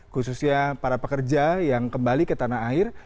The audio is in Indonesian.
khususnya para pekerja yang kembali ke tanah air